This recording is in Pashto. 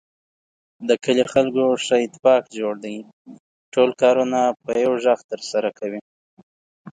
د کلي خلکو ښه اتفاق جوړ دی. ټول کارونه په یوه غږ ترسره کوي.